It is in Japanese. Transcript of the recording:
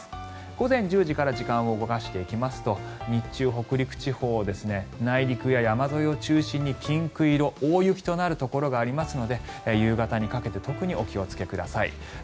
午前１０時から時間を動かしていきますと日中北陸、内陸や山沿いを中心にピンク色、大雪となるところがありますので夕方にかけて特にお気をつけください。